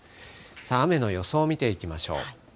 さあ、雨の予想を見ていきましょう。